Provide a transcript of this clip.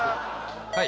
はい。